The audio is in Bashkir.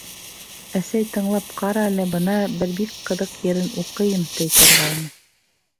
Әсәй, тыңлап ҡара әле, бына бер бик ҡыҙыҡ ерен уҡыйым, — ти торғайны.